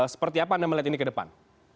seperti apa anda melihat ini ke depan